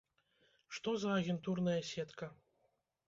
Што за агентурная сетка?